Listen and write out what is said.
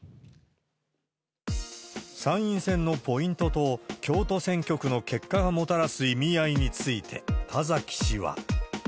参院選のポイントと、京都選挙区の結果がもたらす意味合いについて、田崎氏は。